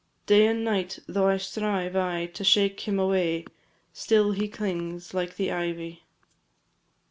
Day and night, though I strive aye To shake him away, still he clings like the ivy.